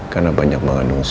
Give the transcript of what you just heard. karena banyak mengandung sel